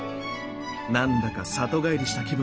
何だか里帰りした気分。